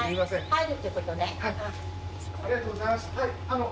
はい。